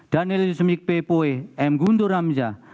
danil yusmik p poe m gundur hamzah